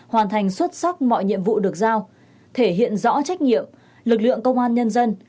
hoàn thành xuất sắc mọi nhiệm vụ được giao thể hiện rõ trách nhiệm lực lượng công an nhân dân